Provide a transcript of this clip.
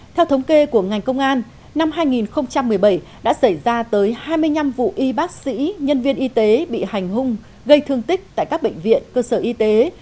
theo thống kê của ngành công an năm hai nghìn một mươi bảy đã xảy ra tới hai mươi năm vụ y bác sĩ nhân viên y tế bị hành hung gây thương tích tại các bệnh viện cơ sở y tế